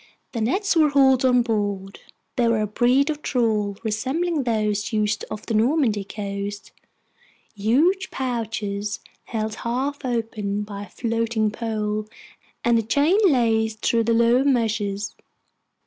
The nets were hauled on board. They were a breed of trawl resembling those used off the Normandy coast, huge pouches held half open by a floating pole and a chain laced through the lower meshes.